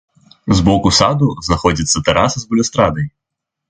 З боку саду знаходзіцца тэраса з балюстрадай.